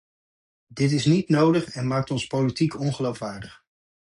Dat is niet nodig en maakt ons politiek ongeloofwaardig.